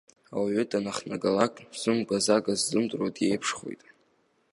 Ауаҩы данахнагалак зымгәазага ззымдыруаз диеиԥшхоит.